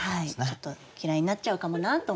ちょっと嫌いになっちゃうかもなと思って。